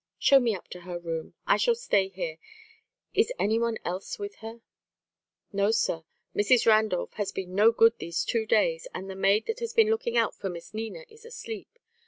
"Show me up to her room. I shall stay here. Is any one else with her?" "No, sir; Mrs. Randolph has been no good these two days, and the maid that has been looking out for Miss Nina is asleep.